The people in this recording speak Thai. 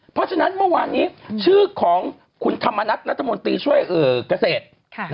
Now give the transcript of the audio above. เพราะฉะนั้นเมื่อวานนี้ชื่อของคุณธรรมนัฐรัฐมนตรีช่วยเกษตร